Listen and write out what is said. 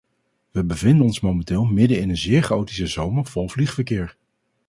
We bevinden ons momenteel midden in een zeer chaotische zomer vol vliegverkeer.